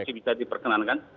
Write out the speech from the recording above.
masih bisa diperkenankan